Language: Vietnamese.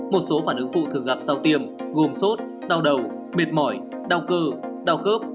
một số phản ứng phụ thường gặp sau tiêm gồm sốt đau đầu mệt mỏi đau cơ đau khớp